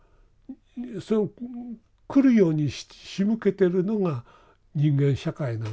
それを来るようにしむけてるのが人間社会なんですね。